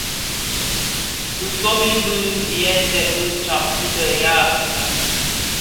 Bisobi bi yeten bi tsak ki be ya Afrika,